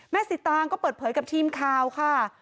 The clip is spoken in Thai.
แม่สิตางก็เปิดเผยกับทีมคาวค่ะ